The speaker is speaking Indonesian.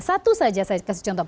satu saja saya kasih contoh